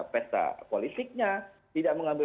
pesta politiknya tidak mengambil